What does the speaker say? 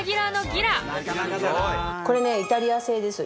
これねイタリア製です。